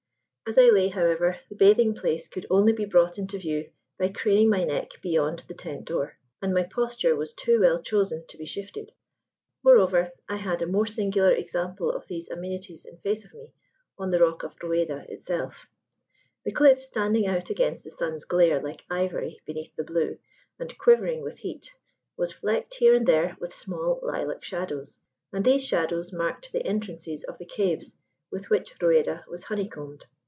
As I lay, however, the bathing place could only be brought into view by craning my neck beyond the tent door: and my posture was too well chosen to be shifted. Moreover, I had a more singular example of these amenities in face of me, on the rock of Rueda itself. The cliff, standing out against the sun's glare like ivory beneath the blue, and quivering with heat, was flecked here and there with small lilac shadows; and these shadows marked the entrances of the caves with which Rueda was honeycombed.